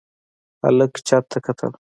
هلک چت ته کتل.